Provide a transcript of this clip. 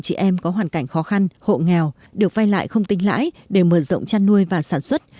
chị em có hoàn cảnh khó khăn hộ nghèo được vay lại không tính lãi để mở rộng chăn nuôi và sản xuất